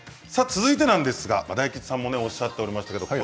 続いてなんですが大吉さんもおっしゃっておりました。